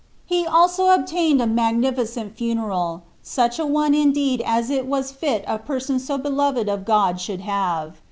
He also obtained a magnificent funeral, such a one indeed as it was fit a person so beloved of God should have.